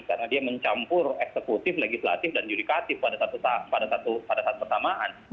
karena dia mencampur eksekutif legislatif dan yudikatif pada satu pertamaan